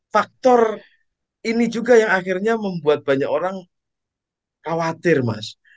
faktor ini juga yang akhirnya membuat banyak orang khawatir mas